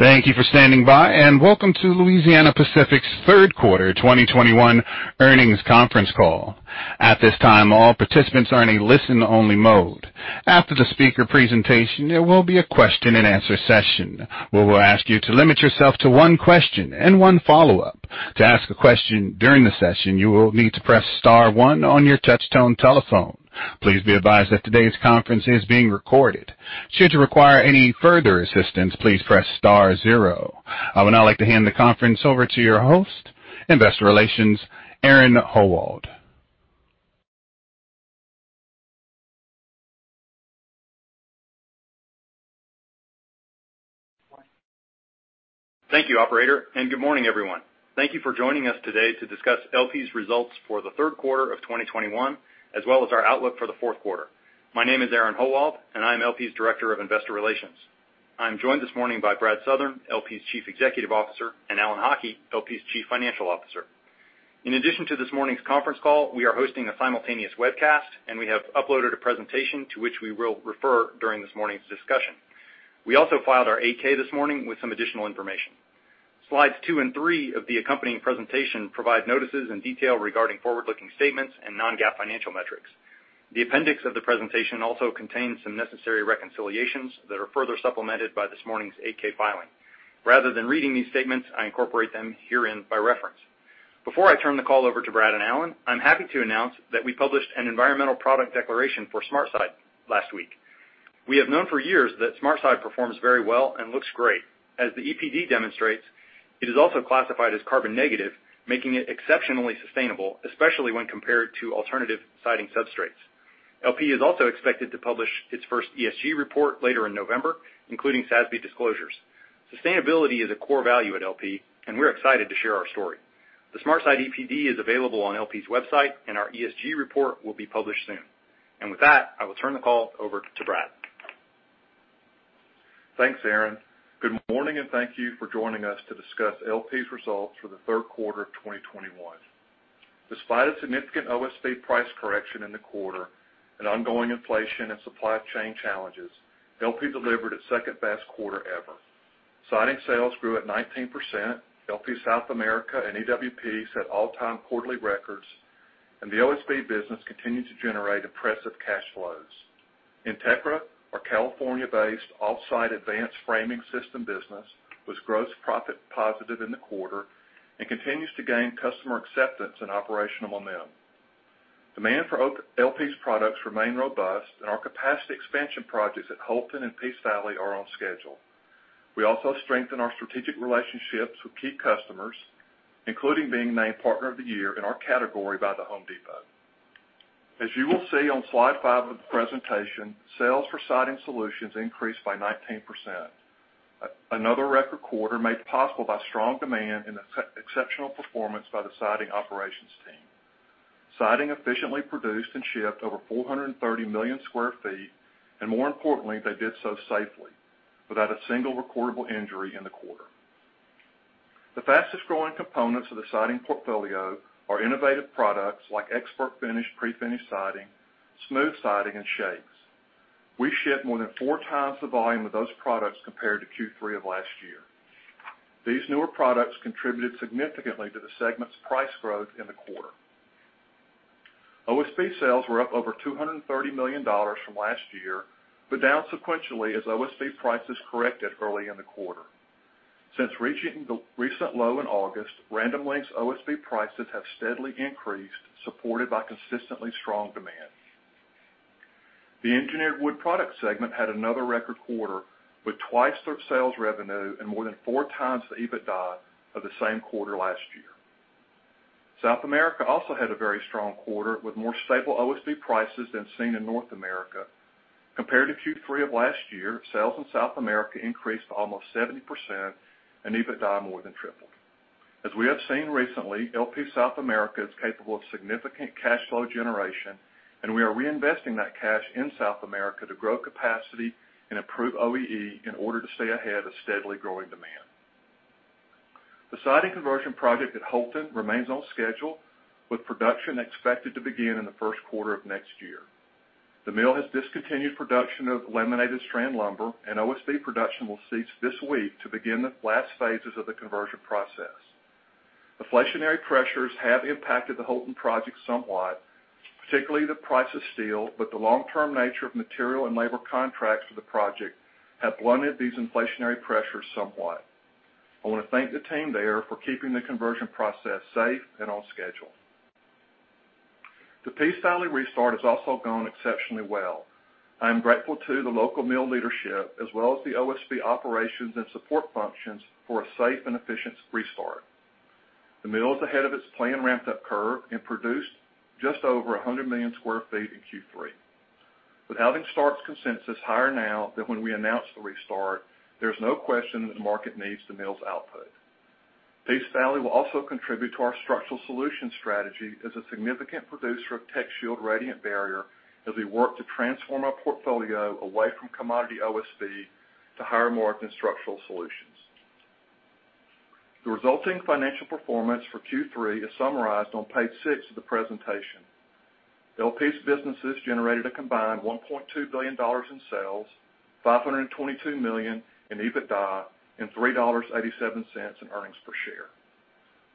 Thank you for standing by, and welcome to Louisiana-Pacific's third quarter 2021 earnings conference call. At this time, all participants are in a listen-only mode. After the speaker presentation, there will be a question-and-answer session. We will ask you to limit yourself to one question and one follow-up. To ask a question during the session, you will need to press star one on your touch-tone telephone. Please be advised that today's conference is being recorded. Should you require any further assistance, please press star zero. I would now like to hand the conference over to your host, Investor Relations, Aaron Howald. Thank you, Operator, and good morning, everyone. Thank you for joining us today to discuss LP's results for the third quarter of 2021, as well as our outlook for the fourth quarter. My name is Aaron Howald, and I am LP's Director of Investor Relations. I am joined this morning by Brad Southern, LP's Chief Executive Officer, and Alan Haughie, LP's Chief Financial Officer. In addition to this morning's conference call, we are hosting a simultaneous webcast, and we have uploaded a presentation to which we will refer during this morning's discussion. We also filed our 8-K this morning with some additional information. Slides two and three of the accompanying presentation provide notices in detail regarding forward-looking statements and non-GAAP financial metrics. The appendix of the presentation also contains some necessary reconciliations that are further supplemented by this morning's 8-K filing. Rather than reading these statements, I incorporate them herein by reference. Before I turn the call over to Brad and Alan, I'm happy to announce that we published an Environmental Product Declaration for SmartSide last week. We have known for years that SmartSide performs very well and looks great. As the EPD demonstrates, it is also classified as carbon-negative, making it exceptionally sustainable, especially when compared to alternative siding substrates. LP is also expected to publish its first ESG report later in November, including SASB disclosures. Sustainability is a core value at LP, and we're excited to share our story. The SmartSide EPD is available on LP's website, and our ESG report will be published soon. With that, I will turn the call over to Brad. Thanks, Aaron. Good morning, and thank you for joining us to discuss LP's results for the third quarter of 2021. Despite a significant OSB price correction in the quarter and ongoing inflation and supply chain challenges, LP delivered its second-best quarter ever. Siding sales grew at 19%. LP South America and EWP set all-time quarterly records, and the OSB business continued to generate impressive cash flows. Entekra, our California-based offsite advanced framing system business, was gross profit positive in the quarter and continues to gain customer acceptance and operational momentum. Demand for LP's products remained robust, and our capacity expansion projects at Houlton and Peace Valley are on schedule. We also strengthened our strategic relationships with key customers, including being named Partner of the Year in our category by The Home Depot. As you will see on slide five of the presentation, sales for siding solutions increased by 19%. Another record quarter made possible by strong demand and exceptional performance by the siding operations team. Siding efficiently produced and shipped over 430 million sq ft, and more importantly, they did so safely without a single recordable injury in the quarter. The fastest-growing components of the siding portfolio are innovative products like ExpertFinish, pre-finished siding, smooth siding, and shapes. We shipped more than four times the volume of those products compared to Q3 of last year. These newer products contributed significantly to the segment's price growth in the quarter. OSB sales were up over $230 million from last year, but down sequentially as OSB prices corrected early in the quarter. Since reaching the recent low in August, Random Lengths OSB prices have steadily increased, supported by consistently strong demand. The engineered wood product segment had another record quarter with twice the sales revenue and more than four times the EBITDA of the same quarter last year. South America also had a very strong quarter with more stable OSB prices than seen in North America. Compared to Q3 of last year, sales in South America increased almost 70%, and EBITDA more than tripled. As we have seen recently, LP South America is capable of significant cash flow generation, and we are reinvesting that cash in South America to grow capacity and improve OEE in order to stay ahead of steadily growing demand. The siding conversion project at Houlton remains on schedule, with production expected to begin in the first quarter of next year. The mill has discontinued production of Laminated Strand Lumber, and OSB production will cease this week to begin the last phases of the conversion process. Inflationary pressures have impacted the Houlton project somewhat, particularly the price of steel, but the long-term nature of material and labor contracts for the project have blunted these inflationary pressures somewhat. I want to thank the team there for keeping the conversion process safe and on schedule. The Peace Valley restart has also gone exceptionally well. I am grateful to the local mill leadership, as well as the OSB operations and support functions, for a safe and efficient restart. The mill is ahead of its planned ramp-up curve and produced just over 100 million sq ft in Q3. With Housing Starts consensus higher now than when we announced the restart, there is no question that the market needs the mill's output. Peace Valley will also contribute to our structural solution strategy as a significant producer of TechShield radiant barrier as we work to transform our portfolio away from commodity OSB to higher more of the structural solutions. The resulting financial performance for Q3 is summarized on page six of the presentation. LP's businesses generated a combined $1.2 billion in sales, $522 million in EBITDA, and $3.87 in earnings per share.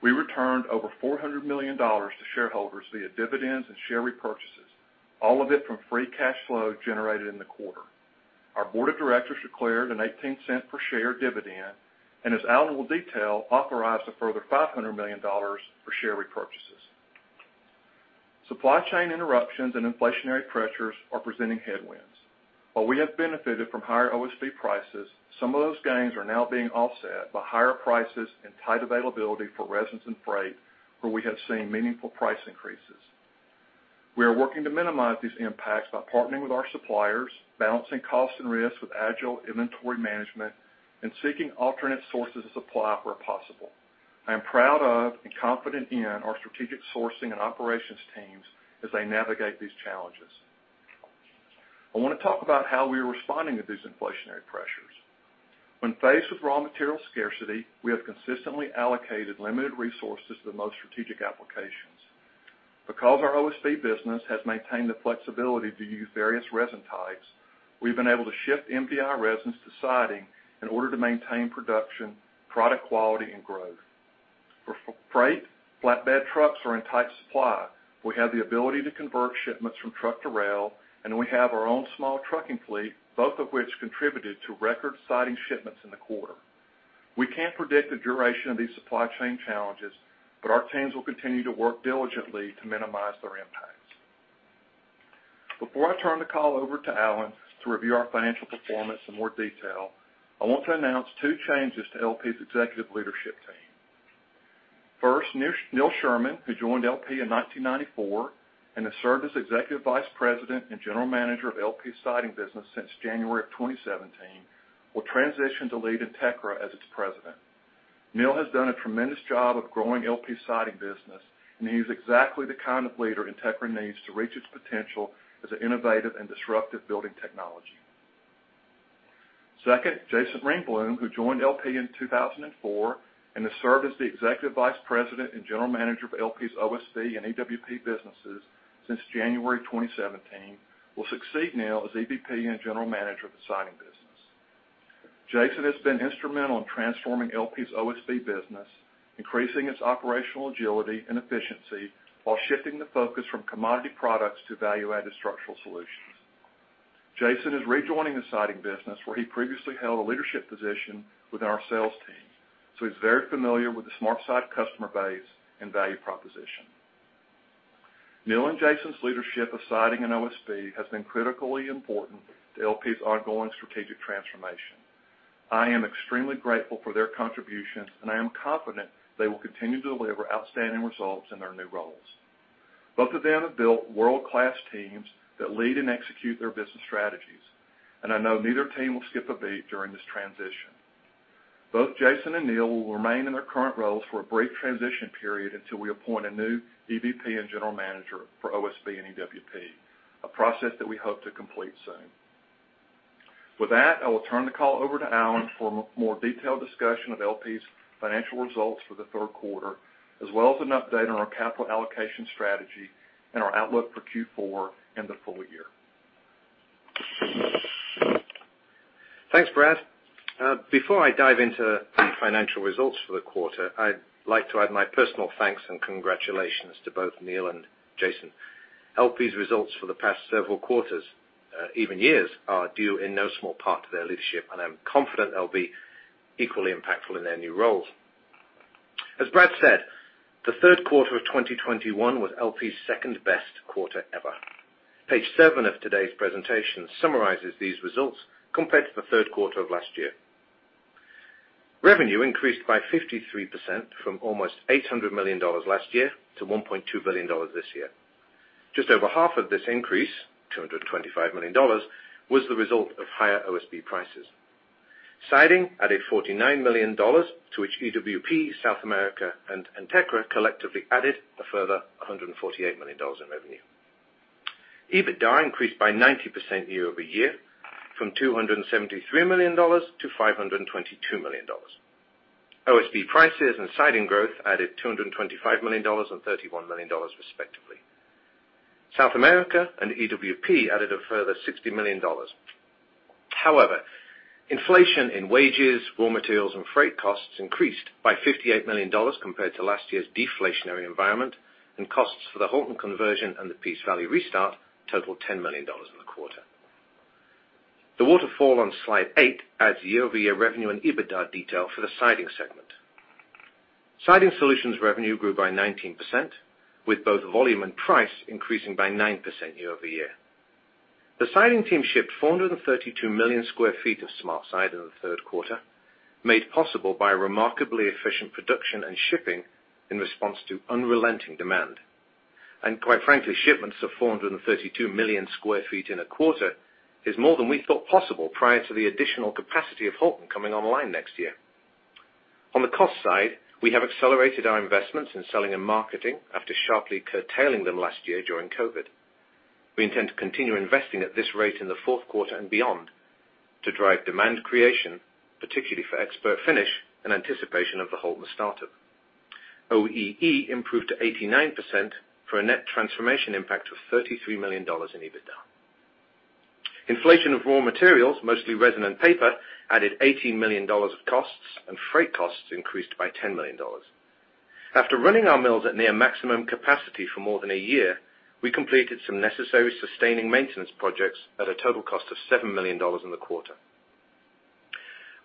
We returned over $400 million to shareholders via dividends and share repurchases, all of it from free cash flow generated in the quarter. Our board of directors declared a $0.18 per share dividend, and as Alan will detail, authorized a further $500 million for share repurchases. Supply chain interruptions and inflationary pressures are presenting headwinds. While we have benefited from higher OSB prices, some of those gains are now being offset by higher prices and tight availability for resins and freight, where we have seen meaningful price increases. We are working to minimize these impacts by partnering with our suppliers, balancing cost and risk with agile inventory management, and seeking alternate sources of supply where possible. I am proud of and confident in our strategic sourcing and operations teams as they navigate these challenges. I want to talk about how we are responding to these inflationary pressures. When faced with raw material scarcity, we have consistently allocated limited resources to the most strategic applications. Because our OSB business has maintained the flexibility to use various resin types, we've been able to shift MDI resins to siding in order to maintain production, product quality, and growth. For freight, flatbed trucks are in tight supply. We have the ability to convert shipments from truck to rail, and we have our own small trucking fleet, both of which contributed to record siding shipments in the quarter. We can't predict the duration of these supply chain challenges, but our teams will continue to work diligently to minimize their impacts. Before I turn the call over to Alan to review our financial performance in more detail, I want to announce two changes to LP's executive leadership team. First, Neil Sherman, who joined LP in 1994 and has served as Executive Vice President and General Manager of LP's siding business since January of 2017, will transition to lead Entekra as its President. Neil has done a tremendous job of growing LP's siding business, and he is exactly the kind of leader Entekra needs to reach its potential as an innovative and disruptive building technology. Second, Jason Ringbloom, who joined LP in 2004 and has served as the Executive Vice President and General Manager of LP's OSB and EWP businesses since January 2017, will succeed Neil as EVP and General Manager of the siding business. Jason has been instrumental in transforming LP's OSB business, increasing its operational agility and efficiency while shifting the focus from commodity products to value-added structural solutions. Jason is rejoining the siding business, where he previously held a leadership position within our sales team, so he's very familiar with the SmartSide customer base and value proposition. Neil and Jason's leadership of siding and OSB has been critically important to LP's ongoing strategic transformation. I am extremely grateful for their contributions, and I am confident they will continue to deliver outstanding results in their new roles. Both of them have built world-class teams that lead and execute their business strategies, and I know neither team will skip a beat during this transition. Both Jason and Neil will remain in their current roles for a brief transition period until we appoint a new EVP and general manager for OSB and EWP, a process that we hope to complete soon. With that, I will turn the call over to Alan for a more detailed discussion of LP's financial results for the third quarter, as well as an update on our capital allocation strategy and our outlook for Q4 and the full year. Thanks, Brad. Before I dive into the financial results for the quarter, I'd like to add my personal thanks and congratulations to both Neil and Jason. LP's results for the past several quarters, even years, are due in no small part to their leadership, and I'm confident they'll be equally impactful in their new roles. As Brad said, the third quarter of 2021 was LP's second-best quarter ever. Page seven of today's presentation summarizes these results compared to the third quarter of last year. Revenue increased by 53% from almost $800 million last year to $1.2 billion this year. Just over half of this increase, $225 million, was the result of higher OSB prices. Siding added $49 million, to which EWP, South America, and Entekra collectively added a further $148 million in revenue. EBITDA increased by 90% year-over-year, from $273 million to $522 million. OSB prices and siding growth added $225 million and $31 million, respectively. South America and EWP added a further $60 million. However, inflation in wages, raw materials, and freight costs increased by $58 million compared to last year's deflationary environment, and costs for the Houlton conversion and the Peace Valley restart totaled $10 million in the quarter. The waterfall on slide eight adds year-over-year revenue and EBITDA detail for the siding segment. Siding solutions revenue grew by 19%, with both volume and price increasing by 9% year over year. The siding team shipped 432 million sq ft of SmartSide in the third quarter, made possible by remarkably efficient production and shipping in response to unrelenting demand, and quite frankly, shipments of 432 million sq ft in a quarter is more than we thought possible prior to the additional capacity of Houlton coming online next year. On the cost side, we have accelerated our investments in selling and marketing after sharply curtailing them last year during COVID. We intend to continue investing at this rate in the fourth quarter and beyond to drive demand creation, particularly for ExpertFinish and anticipation of the Houlton startup. OEE improved to 89% for a net transformation impact of $33 million in EBITDA. Inflation of raw materials, mostly resin and paper, added $18 million of costs, and freight costs increased by $10 million. After running our mills at near maximum capacity for more than a year, we completed some necessary sustaining maintenance projects at a total cost of $7 million in the quarter.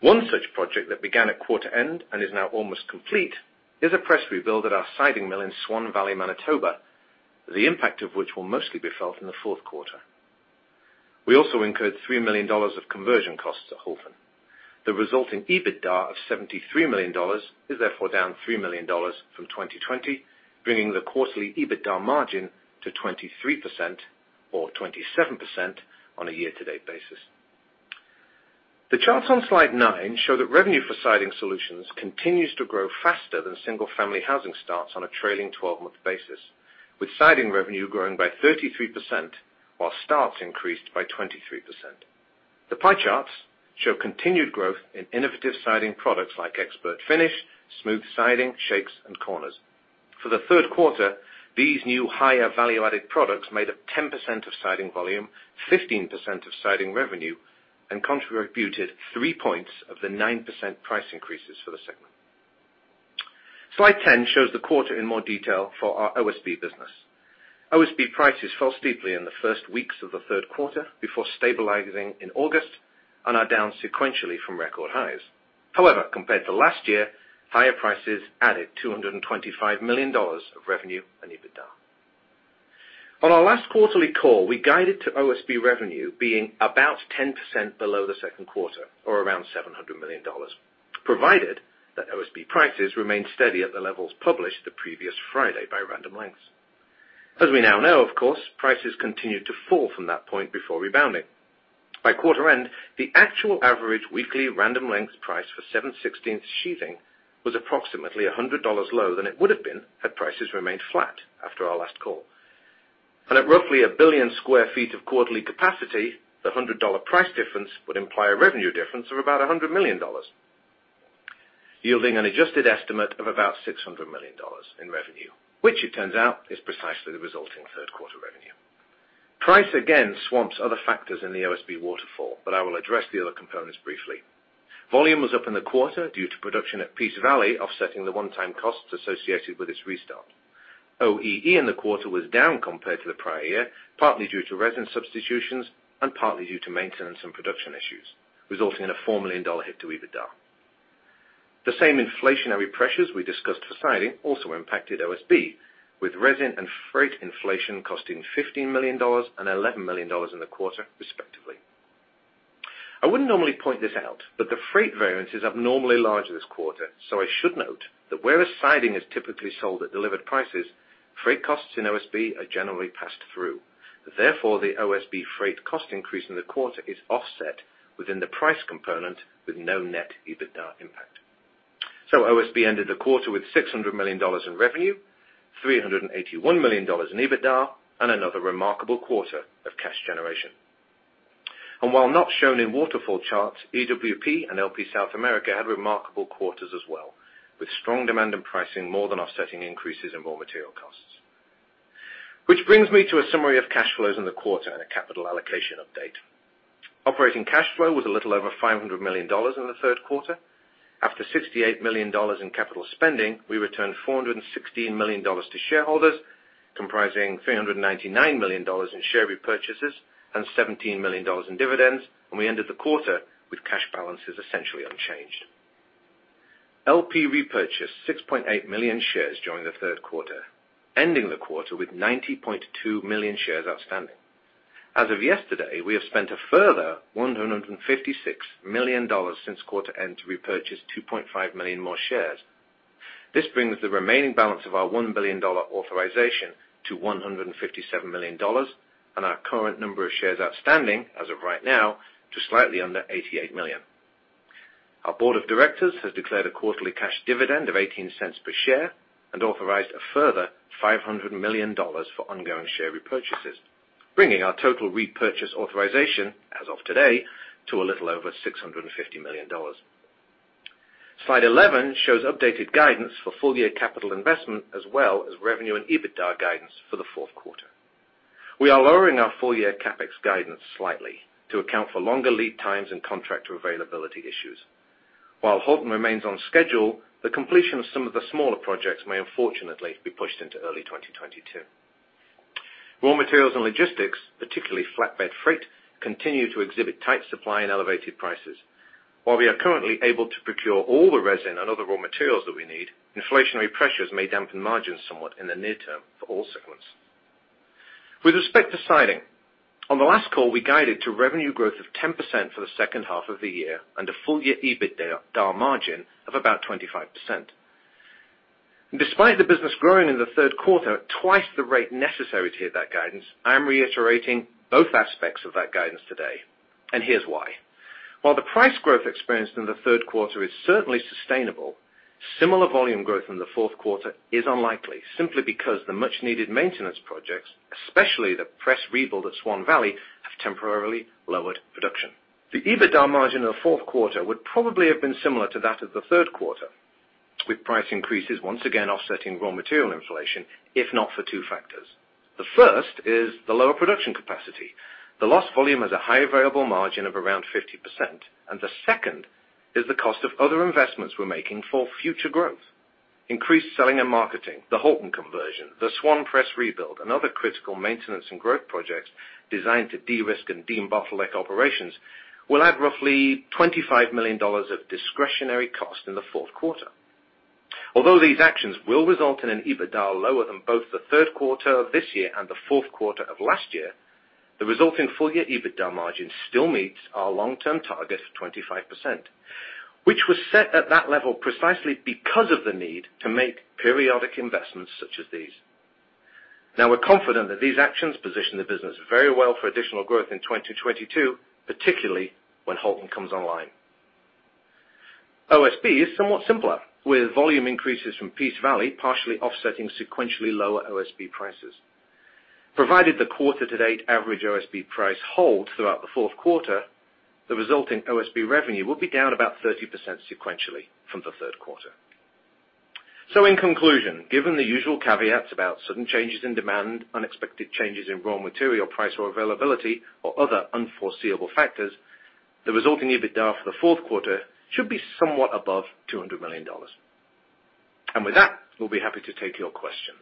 One such project that began at quarter end and is now almost complete is a press rebuild at our siding mill in Swan Valley, Manitoba, the impact of which will mostly be felt in the fourth quarter. We also incurred $3 million of conversion costs at Houlton. The resulting EBITDA of $73 million is therefore down $3 million from 2020, bringing the quarterly EBITDA margin to 23% or 27% on a year-to-date basis. The charts on slide nine show that revenue for siding solutions continues to grow faster than single-family housing starts on a trailing 12-month basis, with siding revenue growing by 33% while starts increased by 23%. The pie charts show continued growth in innovative siding products like ExpertFinish, smooth siding, shakes, and corners. For the third quarter, these new higher value-added products made up 10% of siding volume, 15% of siding revenue, and contributed three points of the 9% price increases for the segment. Slide 10 shows the quarter in more detail for our OSB business. OSB prices fell steeply in the first weeks of the third quarter before stabilizing in August and are down sequentially from record highs. However, compared to last year, higher prices added $225 million of revenue and EBITDA. On our last quarterly call, we guided to OSB revenue being about 10% below the second quarter, or around $700 million, provided that OSB prices remained steady at the levels published the previous Friday by Random Lengths. As we now know, of course, prices continued to fall from that point before rebounding. By quarter end, the actual average weekly Random Lengths price for 7/16 sheathing was approximately $100 lower than it would have been had prices remained flat after our last call. At roughly a billion sq ft of quarterly capacity, the $100 price difference would imply a revenue difference of about $100 million, yielding an adjusted estimate of about $600 million in revenue, which, it turns out, is precisely the resulting third quarter revenue. Price again swamps other factors in the OSB waterfall, but I will address the other components briefly. Volume was up in the quarter due to production at Peace Valley offsetting the one-time costs associated with its restart. OEE in the quarter was down compared to the prior year, partly due to resin substitutions and partly due to maintenance and production issues, resulting in a $4 million hit to EBITDA. The same inflationary pressures we discussed for siding also impacted OSB, with resin and freight inflation costing $15 million and $11 million in the quarter, respectively. I wouldn't normally point this out, but the freight variance is abnormally large this quarter, so I should note that whereas siding is typically sold at delivered prices, freight costs in OSB are generally passed through. Therefore, the OSB freight cost increase in the quarter is offset within the price component with no net EBITDA impact, so OSB ended the quarter with $600 million in revenue, $381 million in EBITDA, and another remarkable quarter of cash generation, and while not shown in waterfall charts, EWP and LP South America had remarkable quarters as well, with strong demand and pricing more than offsetting increases in raw material costs. Which brings me to a summary of cash flows in the quarter and a capital allocation update. Operating cash flow was a little over $500 million in the third quarter. After $68 million in capital spending, we returned $416 million to shareholders, comprising $399 million in share repurchases and $17 million in dividends, and we ended the quarter with cash balances essentially unchanged. LP repurchased 6.8 million shares during the third quarter, ending the quarter with 90.2 million shares outstanding. As of yesterday, we have spent a further $156 million since quarter end to repurchase 2.5 million more shares. This brings the remaining balance of our $1 billion authorization to $157 million and our current number of shares outstanding, as of right now, to slightly under 88 million. Our board of directors has declared a quarterly cash dividend of $0.18 per share and authorized a further $500 million for ongoing share repurchases, bringing our total repurchase authorization, as of today, to a little over $650 million. Slide 11 shows updated guidance for full-year capital investment as well as revenue and EBITDA guidance for the fourth quarter. We are lowering our full-year CapEx guidance slightly to account for longer lead times and contractor availability issues. While Houlton remains on schedule, the completion of some of the smaller projects may unfortunately be pushed into early 2022. Raw materials and logistics, particularly flatbed freight, continue to exhibit tight supply and elevated prices. While we are currently able to procure all the resin and other raw materials that we need, inflationary pressures may dampen margins somewhat in the near term for all segments. With respect to siding, on the last call, we guided to revenue growth of 10% for the second half of the year and a full-year EBITDA margin of about 25%. Despite the business growing in the third quarter at twice the rate necessary to hear that guidance, I'm reiterating both aspects of that guidance today, and here's why. While the price growth experienced in the third quarter is certainly sustainable, similar volume growth in the fourth quarter is unlikely simply because the much-needed maintenance projects, especially the press rebuild at Swan Valley, have temporarily lowered production. The EBITDA margin in the fourth quarter would probably have been similar to that of the third quarter, with price increases once again offsetting raw material inflation, if not for two factors. The first is the lower production capacity. The lost volume has a high available margin of around 50%, and the second is the cost of other investments we're making for future growth. Increased selling and marketing, the Houlton conversion, the Swan press rebuild, and other critical maintenance and growth projects designed to de-risk and de-bottleneck operations will add roughly $25 million of discretionary cost in the fourth quarter. Although these actions will result in an EBITDA lower than both the third quarter of this year and the fourth quarter of last year, the resulting full-year EBITDA margin still meets our long-term target of 25%, which was set at that level precisely because of the need to make periodic investments such as these. Now, we're confident that these actions position the business very well for additional growth in 2022, particularly when Houlton comes online. OSB is somewhat simpler, with volume increases from Peace Valley partially offsetting sequentially lower OSB prices. Provided the quarter-to-date average OSB price holds throughout the fourth quarter, the resulting OSB revenue will be down about 30% sequentially from the third quarter. So in conclusion, given the usual caveats about sudden changes in demand, unexpected changes in raw material price or availability, or other unforeseeable factors, the resulting EBITDA for the fourth quarter should be somewhat above $200 million. And with that, we'll be happy to take your questions.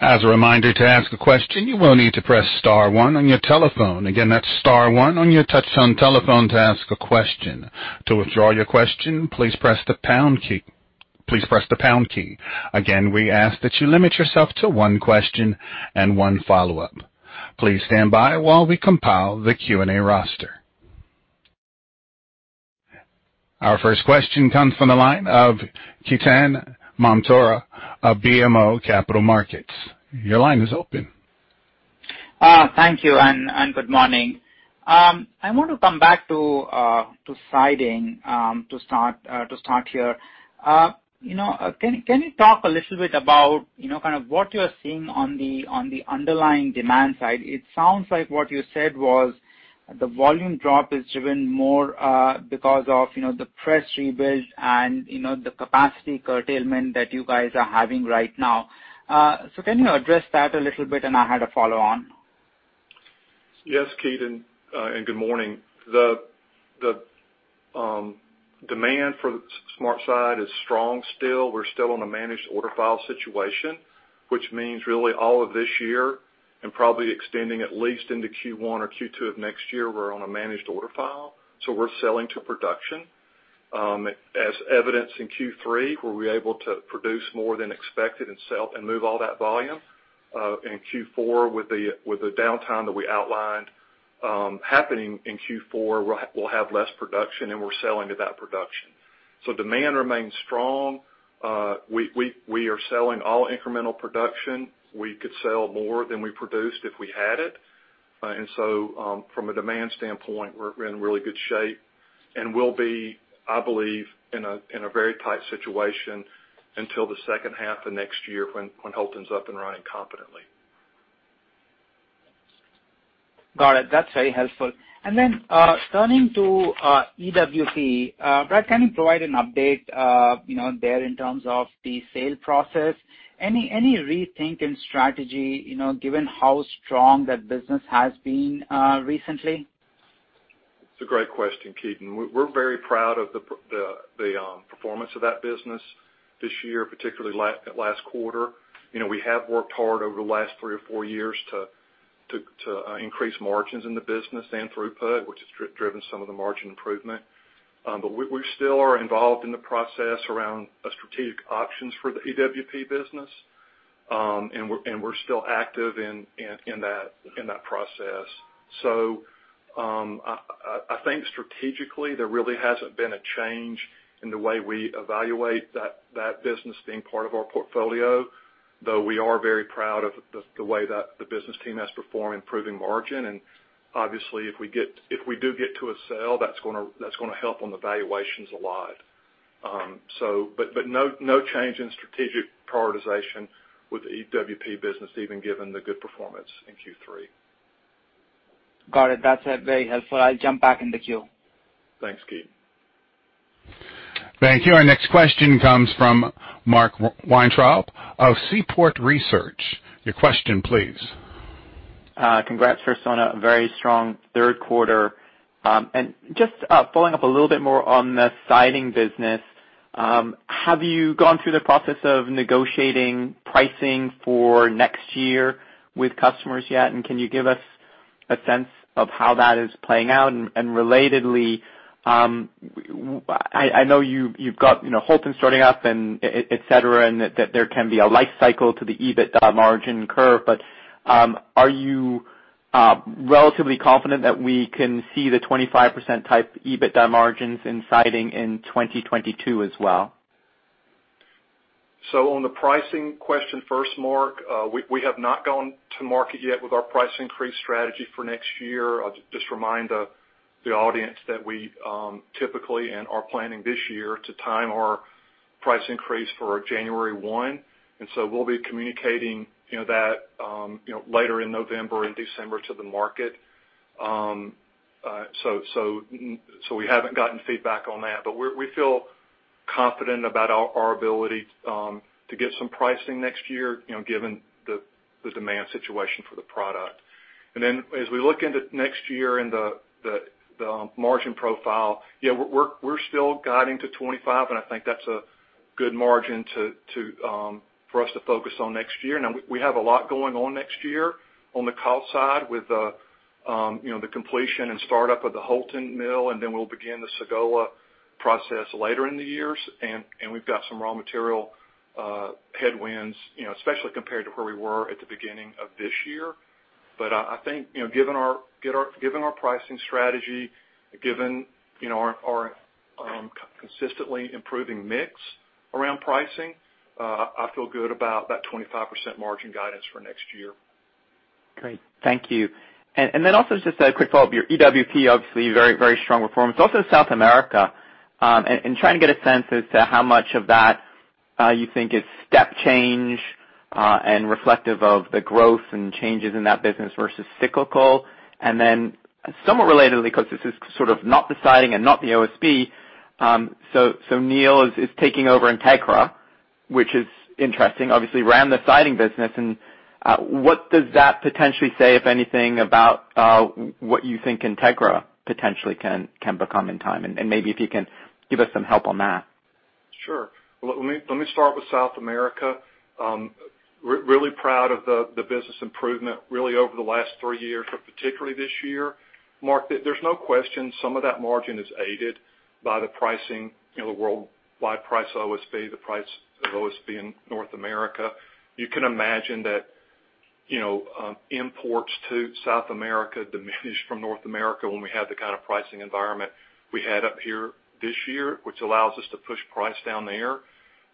As a reminder to ask a question, you will need to press star one on your telephone. Again, that's star one on your touch-tone telephone to ask a question. To withdraw your question, please press the pound key. Please press the pound key. Again, we ask that you limit yourself to one question and one follow-up. Please stand by while we compile the Q&A roster. Our first question comes from the line of Ketan Mamtora of BMO Capital Markets. Your line is open. Thank you and good morning. I want to come back to siding to start here. Can you talk a little bit about kind of what you're seeing on the underlying demand side? It sounds like what you said was the volume drop is driven more because of the press rebuild and the capacity curtailment that you guys are having right now. So can you address that a little bit and I had a follow-on? Yes, Ketan, and good morning. The demand for SmartSide is strong still. We're still on a managed order file situation, which means really all of this year and probably extending at least into Q1 or Q2 of next year, we're on a managed order file, so we're selling to production. As evidenced in Q3, where we were able to produce more than expected and move all that volume. In Q4, with the downtime that we outlined happening in Q4, we'll have less production and we're selling to that production, so demand remains strong. We are selling all incremental production. We could sell more than we produced if we had it, and so from a demand standpoint, we're in really good shape and will be, I believe, in a very tight situation until the second half of next year when Houlton's up and running competently. Got it. That's very helpful. And then turning to EWP, Brad, can you provide an update there in terms of the sale process? Any rethink in strategy given how strong that business has been recently? It's a great question, Ketan. We're very proud of the performance of that business this year, particularly last quarter. We have worked hard over the last three or four years to increase margins in the business and throughput, which has driven some of the margin improvement. But we still are involved in the process around strategic options for the EWP business, and we're still active in that process. So I think strategically, there really hasn't been a change in the way we evaluate that business being part of our portfolio, though we are very proud of the way that the business team has performed improving margin. And obviously, if we do get to a sale, that's going to help on the valuations a lot. But no change in strategic prioritization with the EWP business, even given the good performance in Q3. Got it. That's very helpful. I'll jump back in the queue. Thanks, Keaton. Thank you. Our next question comes from Mark Weintraub of Seaport Research. Your question, please. Congrats, Chris, on a very strong third quarter. And just following up a little bit more on the siding business, have you gone through the process of negotiating pricing for next year with customers yet? And can you give us a sense of how that is playing out? And relatedly, I know you've got Houlton starting up, etc., and that there can be a life cycle to the EBITDA margin curve. But are you relatively confident that we can see the 25% type EBITDA margins in siding in 2022 as well? On the pricing question first, Mark, we have not gone to market yet with our price increase strategy for next year. I'll just remind the audience that we typically and are planning this year to time our price increase for January 1. And so we'll be communicating that later in November and December to the market. So we haven't gotten feedback on that. But we feel confident about our ability to get some pricing next year, given the demand situation for the product. And then as we look into next year and the margin profile, yeah, we're still guiding to 25, and I think that's a good margin for us to focus on next year. Now, we have a lot going on next year on the cost side with the completion and startup of the Houlton mill, and then we'll begin the Sagola process later in the years. We've got some raw material headwinds, especially compared to where we were at the beginning of this year. I think given our pricing strategy, given our consistently improving mix around pricing, I feel good about that 25% margin guidance for next year. Great. Thank you. And then also just a quick follow-up. Your EWP, obviously, very, very strong performance. Also South America. And trying to get a sense as to how much of that you think is step change and reflective of the growth and changes in that business versus cyclical. And then somewhat relatedly, because this is sort of not the siding and not the OSB, so Neil is taking over Entekra, which is interesting. Obviously, ran the siding business. And what does that potentially say, if anything, about what you think Entekra potentially can become in time? And maybe if you can give us some help on that. Sure. Well, let me start with South America. Really proud of the business improvement over the last three years, but particularly this year. Mark, there's no question some of that margin is aided by the pricing, the worldwide price of OSB, the price of OSB in North America. You can imagine that imports to South America diminished from North America when we had the kind of pricing environment we had up here this year, which allows us to push price down there.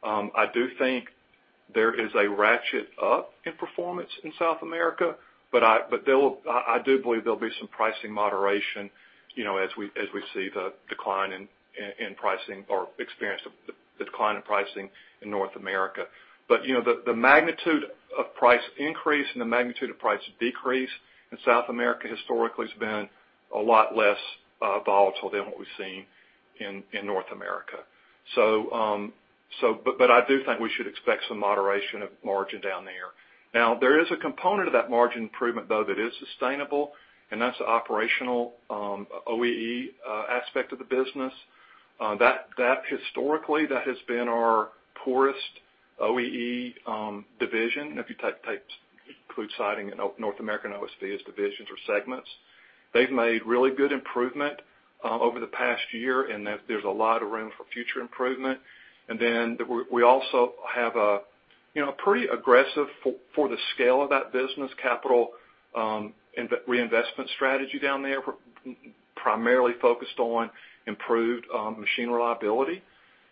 I do think there is a ratchet up in performance in South America, but I do believe there'll be some pricing moderation as we see the decline in pricing or experience the decline in pricing in North America. But the magnitude of price increase and the magnitude of price decrease in South America historically has been a lot less volatile than what we've seen in North America. But I do think we should expect some moderation of margin down there. Now, there is a component of that margin improvement, though, that is sustainable, and that's the operational OEE aspect of the business. Historically, that has been our poorest OEE division. If you include siding and North American OSB as divisions or segments, they've made really good improvement over the past year, and there's a lot of room for future improvement. And then we also have a pretty aggressive, for the scale of that business, capital reinvestment strategy down there, primarily focused on improved machine reliability.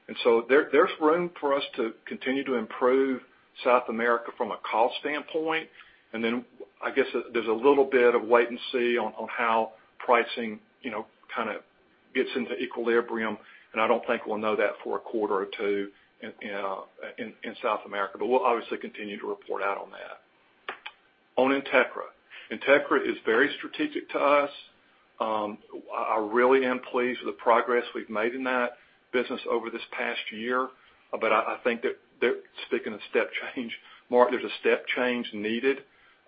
And so there's room for us to continue to improve South America from a cost standpoint. And then I guess there's a little bit of wait and see on how pricing kind of gets into equilibrium, and I don't think we'll know that for a quarter or two in South America. But we'll obviously continue to report out on that. On Entekra. Entekra is very strategic to us. I really am pleased with the progress we've made in that business over this past year. But I think that speaking of step change, Mark, there's a step change needed.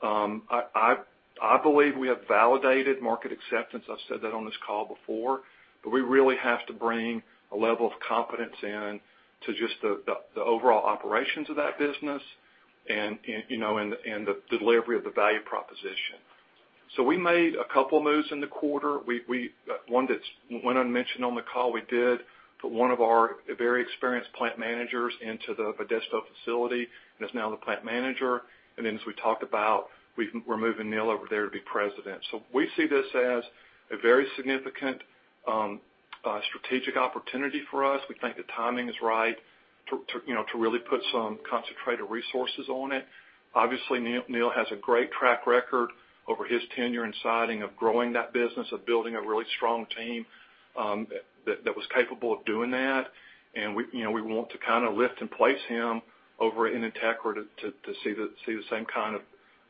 I believe we have validated market acceptance. I've said that on this call before. But we really have to bring a level of confidence in to just the overall operations of that business and the delivery of the value proposition. So we made a couple of moves in the quarter. One that's went unmentioned on the call, we did put one of our very experienced plant managers into the Modesto facility that's now the plant manager. And then as we talked about, we're moving Neil over there to be president. So we see this as a very significant strategic opportunity for us. We think the timing is right to really put some concentrated resources on it. Obviously, Neil has a great track record over his tenure in siding of growing that business, of building a really strong team that was capable of doing that. And we want to kind of lift and place him over in Entekra to see the same kind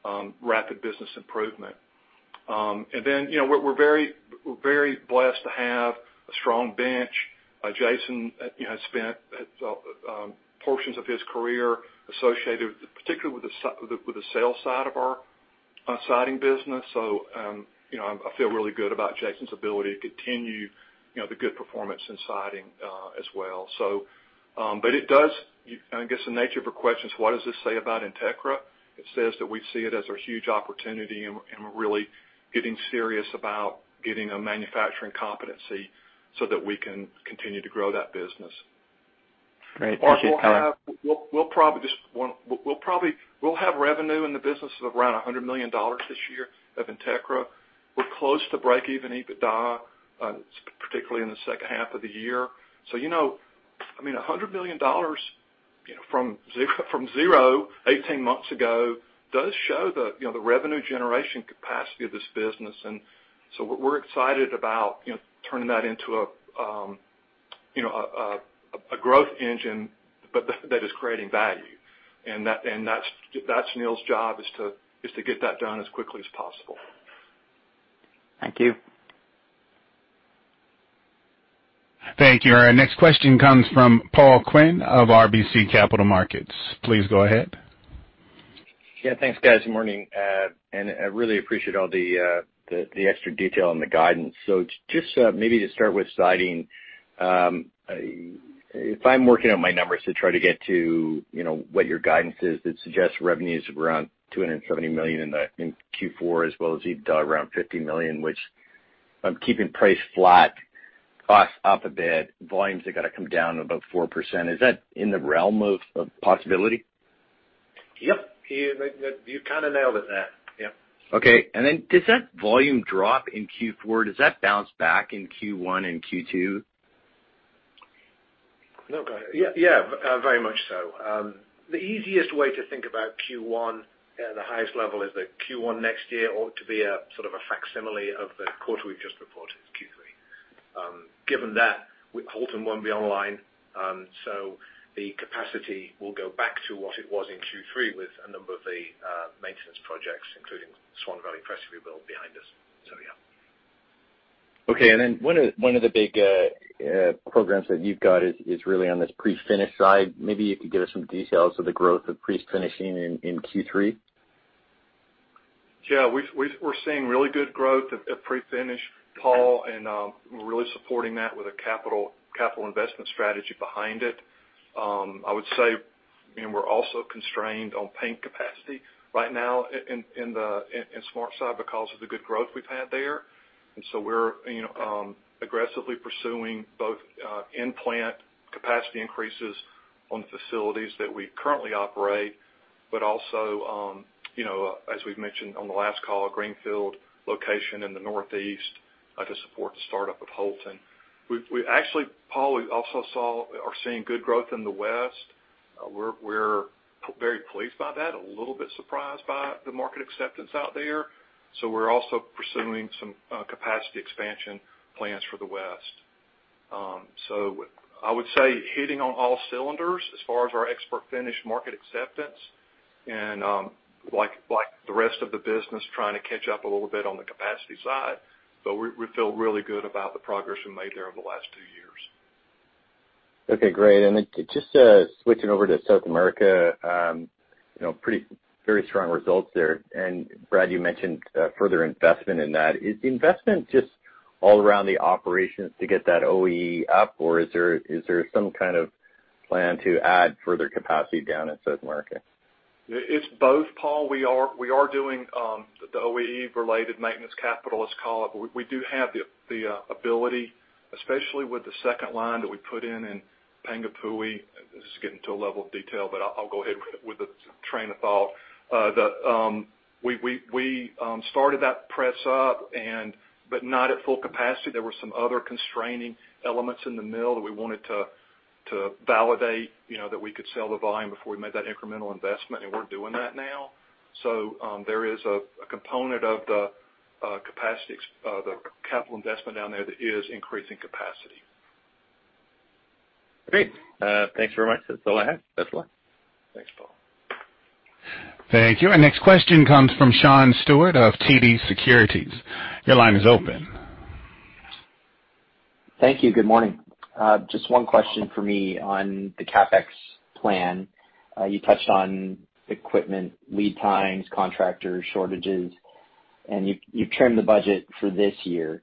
of rapid business improvement. And then we're very blessed to have a strong bench. Jason has spent portions of his career associated particularly with the sales side of our siding business. So I feel really good about Jason's ability to continue the good performance in siding as well. But it does, I guess. The nature of your questions, what does this say about Entekra? It says that we see it as a huge opportunity and we're really getting serious about getting a manufacturing competency so that we can continue to grow that business. Great. So we'll probably have revenue in the business of around $100 million this year of Entekra. We're close to break-even EBITDA, particularly in the second half of the year. So I mean, $100 million from zero 18 months ago does show the revenue generation capacity of this business. And so we're excited about turning that into a growth engine that is creating value. And that's Neil's job, is to get that done as quickly as possible. Thank you. Thank you. Our next question comes from Paul Quinn of RBC Capital Markets. Please go ahead. Yeah. Thanks, guys. Good morning, and I really appreciate all the extra detail and the guidance, so just maybe to start with siding, if I'm working out my numbers to try to get to what your guidance is, it suggests revenues around $270 million in Q4, as well as EBITDA around $50 million, which I'm keeping price flat, costs up a bit, volumes have got to come down about 4%. Is that in the realm of possibility? Yep. You kind of nailed it there. Yep. Okay. And then does that volume drop in Q4, does that bounce back in Q1 and Q2? Yeah. Very much so. The easiest way to think about Q1 at the highest level is that Q1 next year ought to be a sort of a facsimile of the quarter we've just reported, Q3. Given that, Houlton won't be online. So the capacity will go back to what it was in Q3 with a number of the maintenance projects, including Swan Valley press rebuild behind us. So yeah. Okay. And then one of the big programs that you've got is really on this pre-finish side. Maybe you could give us some details of the growth of pre-finishing in Q3. Yeah. We're seeing really good growth of pre-finish, Paul, and we're really supporting that with a capital investment strategy behind it. I would say we're also constrained on paint capacity right now in SmartSide because of the good growth we've had there. And so we're aggressively pursuing both in-plant capacity increases on the facilities that we currently operate, but also, as we've mentioned on the last call, greenfield location in the Northeast to support the startup of Houlton. Actually, Paul, we also are seeing good growth in the west. We're very pleased by that, a little bit surprised by the market acceptance out there. So we're also pursuing some capacity expansion plans for the west. So I would say hitting on all cylinders as far as our expert finish market acceptance and like the rest of the business trying to catch up a little bit on the capacity side. But we feel really good about the progress we made there over the last two years. Okay. Great. And just switching over to South America, pretty very strong results there. And Brad, you mentioned further investment in that. Is the investment just all around the operations to get that OEE up, or is there some kind of plan to add further capacity down in South America? It's both, Paul. We are doing the OEE-related maintenance capital, let's call it. We do have the ability, especially with the second line that we put in in Panguipulli. This is getting to a level of detail, but I'll go ahead with the train of thought. We started that press up, but not at full capacity. There were some other constraining elements in the mill that we wanted to validate that we could sell the volume before we made that incremental investment, and we're doing that now. So there is a component of the capital investment down there that is increasing capacity. Great. Thanks very much. That's all I have. That's all. Thanks, Paul. Thank you. Our next question comes from Sean Stewart of TD Securities. Your line is open. Thank you. Good morning. Just one question for me on the CapEx plan. You touched on equipment, lead times, contractors, shortages, and you've trimmed the budget for this year.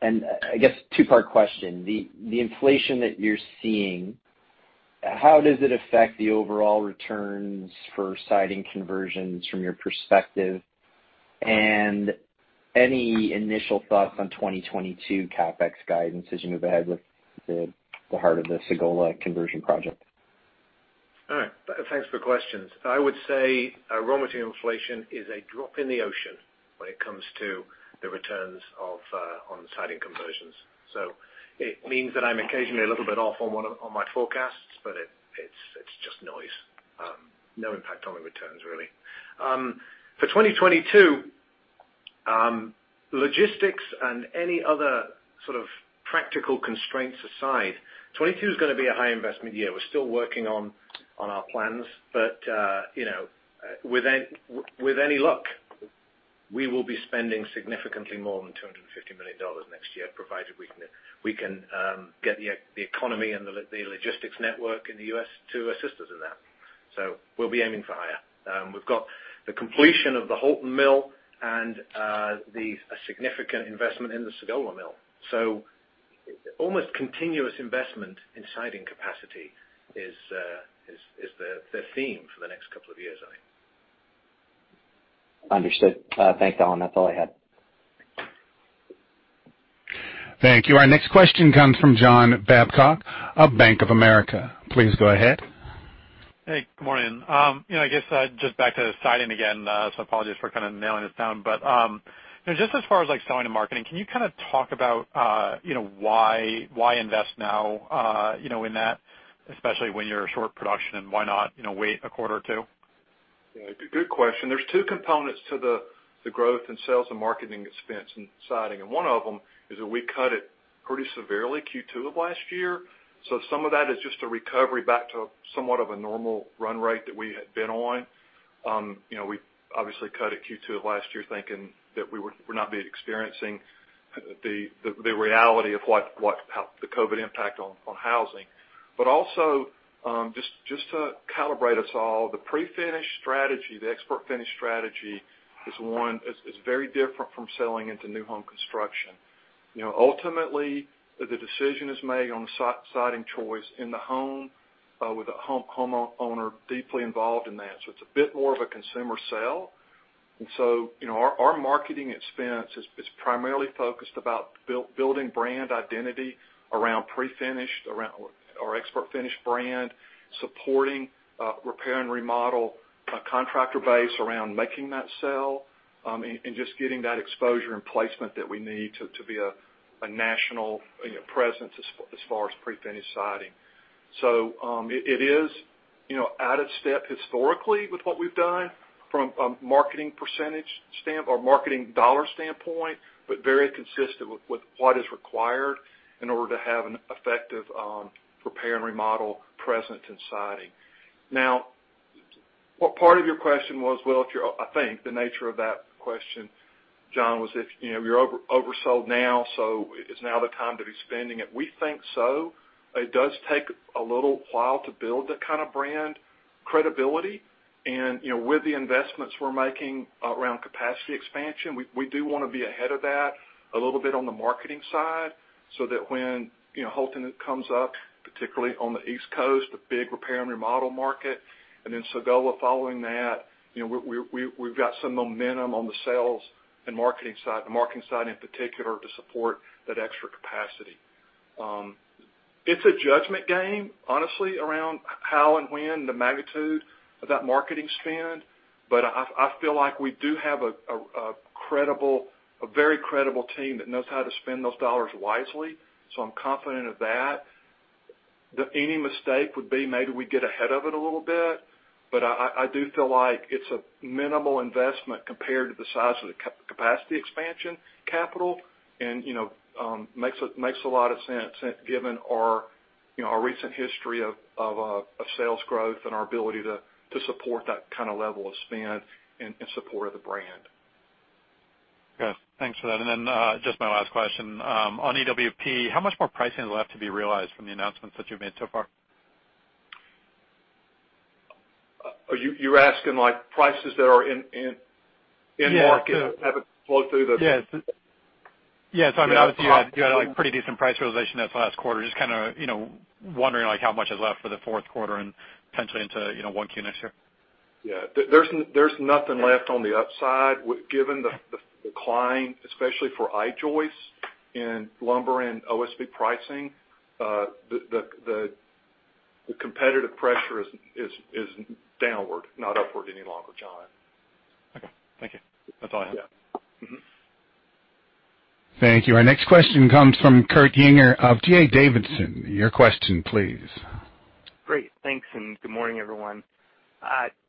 And I guess two-part question. The inflation that you're seeing, how does it affect the overall returns for siding conversions from your perspective? And any initial thoughts on 2022 CapEx guidance as you move ahead with the heart of the Sagola conversion project? All right. Thanks for the questions. I would say raw material inflation is a drop in the ocean when it comes to the returns on siding conversions. So it means that I'm occasionally a little bit off on my forecasts, but it's just noise. No impact on the returns, really. For 2022, logistics and any other sort of practical constraints aside, 2022 is going to be a high investment year. We're still working on our plans, but with any luck, we will be spending significantly more than $250 million next year, provided we can get the economy and the logistics network in the U.S. to assist us in that. So we'll be aiming for higher. We've got the completion of the Houlton mill and a significant investment in the Sagola mill. So almost continuous investment in siding capacity is the theme for the next couple of years, I think. Understood. Thanks Alan. That's all I had. Thank you. Our next question comes from John Babcock of Bank of America. Please go ahead. Hey. Good morning. I guess just back to siding again, so apologies for kind of nailing this down. But just as far as selling and marketing, can you kind of talk about why invest now in that, especially when you're short production, and why not wait a quarter or two? Yeah. Good question. There's two components to the growth and sales and marketing expense in siding. And one of them is that we cut it pretty severely Q2 of last year. So some of that is just a recovery back to somewhat of a normal run rate that we had been on. We obviously cut it Q2 of last year thinking that we would not be experiencing the reality of the COVID impact on housing. But also just to calibrate us all, the ExpertFinish strategy, the ExpertFinish strategy is very different from selling into new home construction. Ultimately, the decision is made on the siding choice in the home with a homeowner deeply involved in that. So it's a bit more of a consumer sale. Our marketing expense is primarily focused about building brand identity around pre-finished, around our ExpertFinish brand, supporting repair and remodel contractor base around making that sale and just getting that exposure and placement that we need to be a national presence as far as pre-finished siding. So it is out of step historically with what we've done from a marketing percentage or marketing dollar standpoint, but very consistent with what is required in order to have an effective repair and remodel presence in siding. Now, part of your question was, well, I think the nature of that question, John, was if you're oversold now, so is now the time to be spending it? We think so. It does take a little while to build that kind of brand credibility. With the investments we're making around capacity expansion, we do want to be ahead of that a little bit on the marketing side so that when Houlton comes up, particularly on the East Coast, the big repair and remodel market, and then Sagola following that, we've got some momentum on the sales and marketing side, the marketing side in particular, to support that extra capacity. It's a judgment game, honestly, around how and when the magnitude of that marketing spend. I feel like we do have a very credible team that knows how to spend those dollars wisely. I'm confident of that. Any mistake would be maybe we get ahead of it a little bit. But I do feel like it's a minimal investment compared to the size of the capacity expansion capital and makes a lot of sense given our recent history of sales growth and our ability to support that kind of level of spend in support of the brand. Good. Thanks for that. And then just my last question. On EWP, how much more pricing is left to be realized from the announcements that you've made so far? You're asking prices that are in market that haven't flowed through the? Yeah. So I mean, obviously, you had a pretty decent price realization this last quarter. Just kind of wondering how much is left for the fourth quarter and potentially into 1Q next year? Yeah. There's nothing left on the upside. Given the decline, especially for I-Joists and lumber and OSB pricing, the competitive pressure is downward, not upward any longer, John. Okay. Thank you. That's all I have. Yeah. Thank you. Our next question comes from Kurt Yinger of D.A. Davidson. Your question, please. Great. Thanks. Good morning, everyone.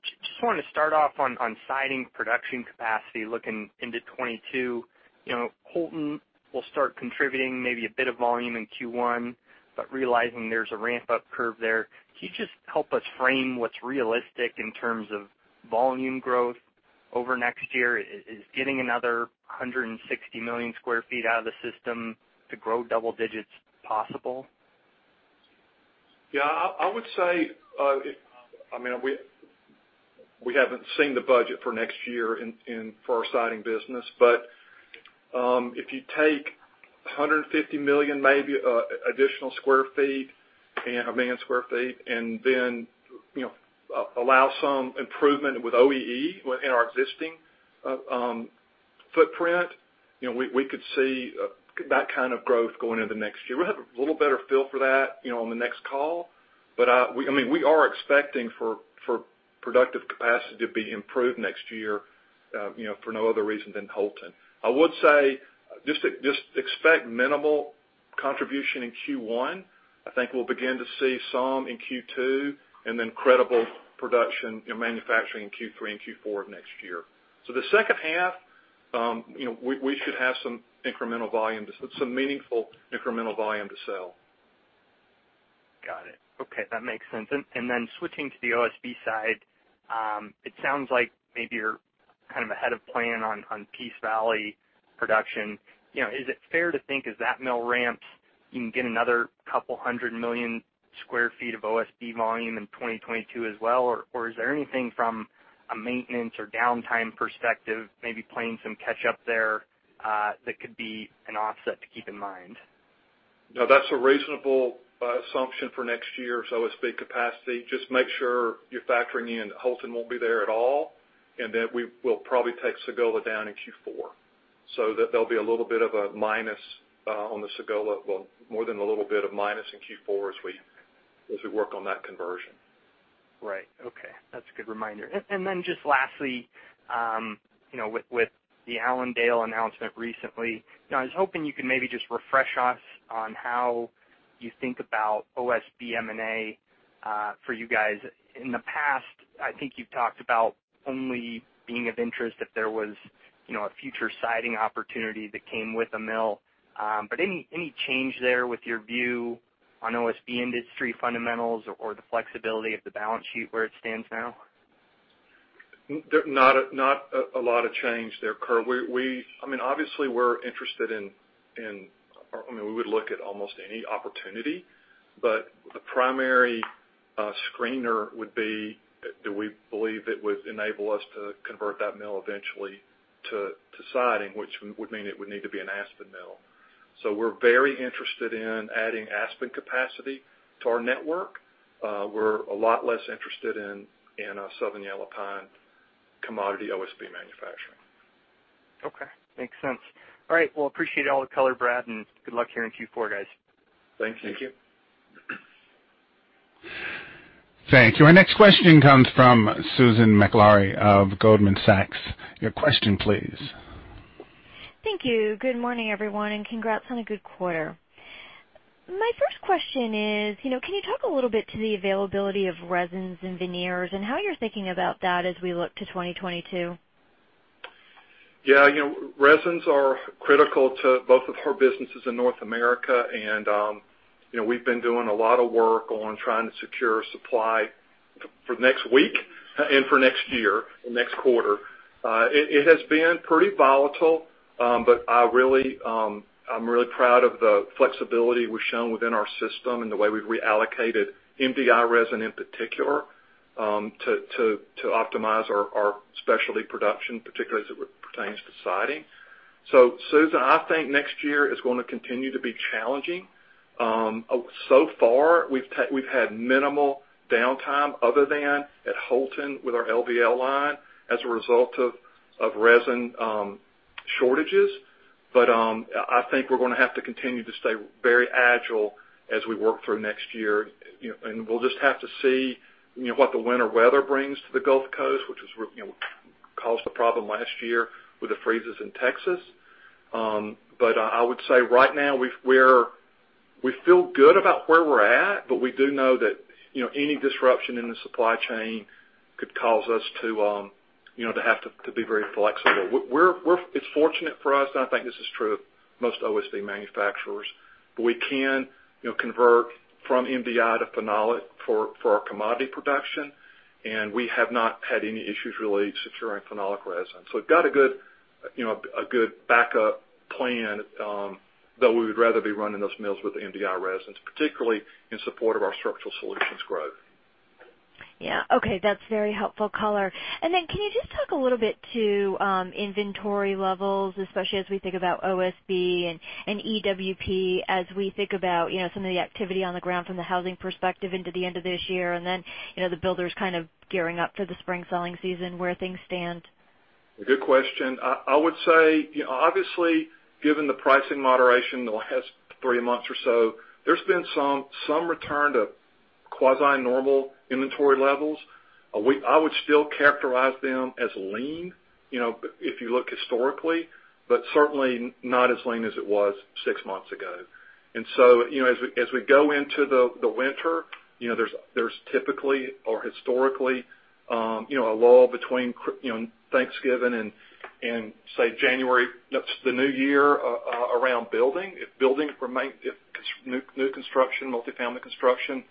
Just wanted to start off on siding production capacity looking into 2022. Houlton will start contributing maybe a bit of volume in Q1, but realizing there's a ramp-up curve there. Can you just help us frame what's realistic in terms of volume growth over next year? Is getting another 160 million sq ft out of the system to grow double digits possible? Yeah. I would say, I mean, we haven't seen the budget for next year for our siding business. But if you take 150 million maybe additional sq ft and a million sq ft and then allow some improvement with OEE in our existing footprint, we could see that kind of growth going into next year. We'll have a little better feel for that on the next call. But I mean, we are expecting for productive capacity to be improved next year for no other reason than Houlton. I would say just expect minimal contribution in Q1. I think we'll begin to see some in Q2 and then credible production and manufacturing in Q3 and Q4 of next year. So the second half, we should have some incremental volume, some meaningful incremental volume to sell. Got it. Okay. That makes sense. And then switching to the OSB side, it sounds like maybe you're kind of ahead of plan on Peace Valley production. Is it fair to think as that mill ramps, you can get another couple hundred million sq ft of OSB volume in 2022 as well? Or is there anything from a maintenance or downtime perspective, maybe playing some catch-up there that could be an offset to keep in mind? No, that's a reasonable assumption for next year's OSB capacity. Just make sure you're factoring in Houlton won't be there at all, and then we'll probably take Sagola down in Q4. So there'll be a little bit of a minus on the Sagola, well, more than a little bit of minus in Q4 as we work on that conversion. Right. Okay. That's a good reminder. And then just lastly, with the Allendale announcement recently, I was hoping you could maybe just refresh us on how you think about OSB M&A for you guys. In the past, I think you've talked about only being of interest if there was a future siding opportunity that came with a mill. But any change there with your view on OSB industry fundamentals or the flexibility of the balance sheet where it stands now? Not a lot of change there, Kurt. I mean, obviously, we're interested in, I mean, we would look at almost any opportunity, but the primary screener would be do we believe it would enable us to convert that mill eventually to siding, which would mean it would need to be an aspen mill. So we're very interested in adding aspen capacity to our network. We're a lot less interested in Southern Yellow Pine commodity OSB manufacturing. Okay. Makes sense. All right. Well, appreciate all the color, Brad, and good luck here in Q4, guys. Thank you. Thank you. Thank you. Our next question comes from Susan Maklari of Goldman Sachs. Your question, please. Thank you. Good morning, everyone, and congrats on a good quarter. My first question is, can you talk a little bit to the availability of resins and veneers and how you're thinking about that as we look to 2022? Yeah. Resins are critical to both of our businesses in North America, and we've been doing a lot of work on trying to secure supply for next week and for next year, for next quarter. It has been pretty volatile, but I'm really proud of the flexibility we've shown within our system and the way we've reallocated MDI resin in particular to optimize our specialty production, particularly as it pertains to siding. So Susan, I think next year is going to continue to be challenging. So far, we've had minimal downtime other than at Houlton with our LVL line as a result of resin shortages. But I think we're going to have to continue to stay very agile as we work through next year. And we'll just have to see what the winter weather brings to the Gulf Coast, which caused a problem last year with the freezes in Texas. But I would say right now, we feel good about where we're at, but we do know that any disruption in the supply chain could cause us to have to be very flexible. It's fortunate for us, and I think this is true of most OSB manufacturers, but we can convert from MDI to phenolic for our commodity production, and we have not had any issues really securing phenolic resin. So we've got a good backup plan, though we would rather be running those mills with MDI resins, particularly in support of our structural solutions growth. Yeah. Okay. That's very helpful color, and then can you just talk a little bit to inventory levels, especially as we think about OSB and EWP, as we think about some of the activity on the ground from the housing perspective into the end of this year, and then the builders kind of gearing up for the spring selling season? Where things stand? Good question. I would say, obviously, given the pricing moderation in the last three months or so, there's been some return to quasi-normal inventory levels. I would still characterize them as lean if you look historically, but certainly not as lean as it was six months ago, and so as we go into the winter, there's typically or historically a lull between Thanksgiving and, say, January, the new year around building. If new construction, multifamily construction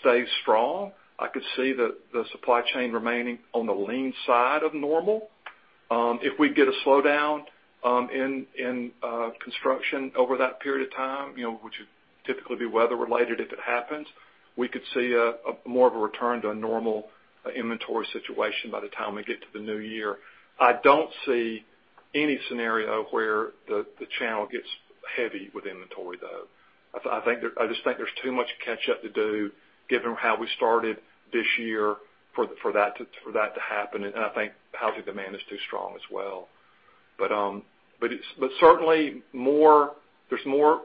stays strong, I could see the supply chain remaining on the lean side of normal. If we get a slowdown in construction over that period of time, which would typically be weather-related if it happens, we could see more of a return to a normal inventory situation by the time we get to the new year. I don't see any scenario where the channel gets heavy with inventory, though. I just think there's too much catch-up to do given how we started this year for that to happen, and I think housing demand is too strong as well, but certainly, there's more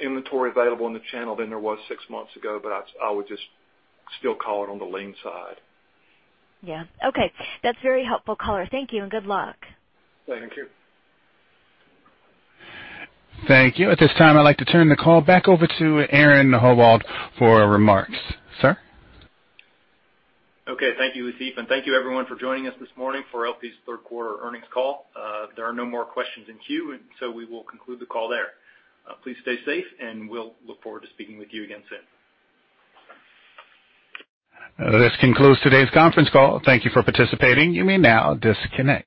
inventory available in the channel than there was six months ago, but I would just still call it on the lean side. Yeah. Okay. That's very helpful color. Thank you and good luck. Thank you. Thank you. At this time, I'd like to turn the call back over to Aaron Howald for remarks. Sir? Okay. Thank you Latif. And thank you, everyone, for joining us this morning for LP's third quarter earnings call. There are no more questions in queue, and so we will conclude the call there. Please stay safe, and we'll look forward to speaking with you again soon. This concludes today's conference call. Thank you for participating. You may now disconnect.